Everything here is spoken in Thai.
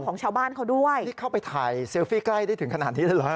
ของชาวบ้านเขาด้วยนี่เข้าไปถ่ายเซลฟี่ใกล้ได้ถึงขนาดนี้แล้วเหรอฮ